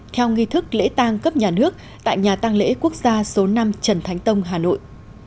theo nghi thức lễ tang cấp nhà nước tại nhà tăng lễ quốc gia số năm trần thánh tông hà nội